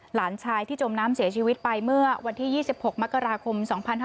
หลานชายที่จมน้ำเสียชีวิตไปเมื่อวันที่๒๖มกราคม๒๕๕๙